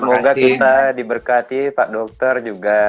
semoga kita diberkati pak dokter juga